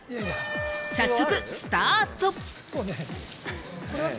早速スタート！